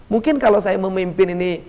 mungkin kalau saya memimpin ini